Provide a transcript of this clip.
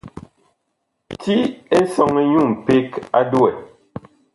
Ti Esɔŋɛ nyu mpeg a duwɛ.